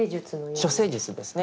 処世術ですね。